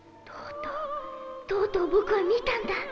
とうとう僕は見たんだ」